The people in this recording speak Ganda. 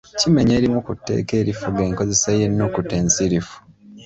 Kimenya erimu ku tteeka erifuga enkozesa y’ennukuta ensirifu.